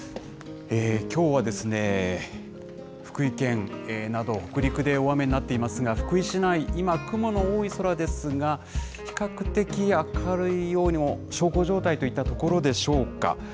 きょうは福井県など北陸で大雨になっていますが、福井市内、今、雲の多い空ですが、比較的明るいようにも、小康状態といったところでしょうか。